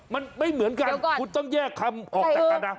มันไม่เหมือนกันคุณต้องแยกคำออกจากกันนะ